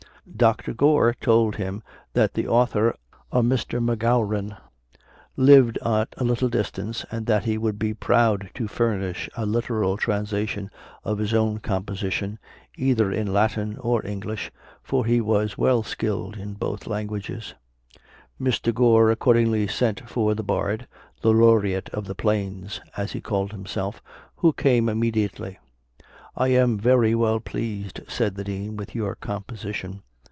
Dr. Gore told him that the author, a Mr. Macgowran, lived at a little distance, and that he would be proud to furnish a literal translation of his own composition either in Latin or English, for he was well skilled in both languages. Mr. Gore accordingly sent for the bard, the Laureate of the Plains, as he called himself, who came immediately. "I am very well pleased," said the Dean, "with your composition.